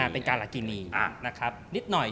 เป็นกาลากินี